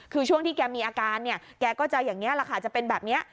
คือช่วงที่แกมีอาการเนี่ยแกก็จะอย่างนี้แหละค่ะจะเป็นแบบนี้